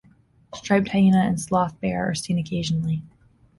Striped hyena and sloth bear are seen occasionally.